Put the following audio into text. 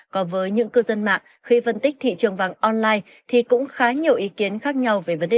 còn với những cư dân mạng khi phân tích thị trường vàng online thì cũng khá nhiều ý kiến khác nhau về vấn đề này